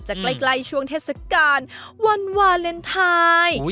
ใกล้ช่วงเทศกาลวันวาเลนไทย